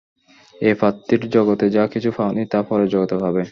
এই পার্থিব জগতে যা কিছু পাওনি তা পরের জগতে পাবে।